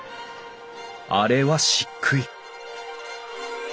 あれは漆喰！